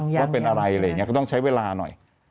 ว่าเป็นอะไรอะไรอย่างนี้ก็ต้องใช้เวลาหน่อย